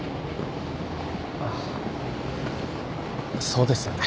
ああそうですよね。